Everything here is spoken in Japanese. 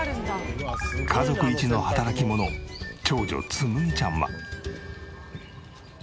家族一の働き者長女つむぎちゃんは。